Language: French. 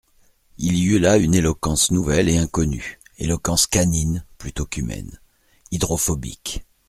Il y eut là une éloquence nouvelle et inconnue, éloquence canine, plutôt qu'humaine, hydrophobique.